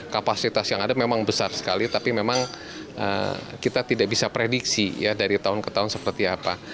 kapasitas yang ada memang besar sekali tapi memang kita tidak bisa prediksi ya dari tahun ke tahun seperti apa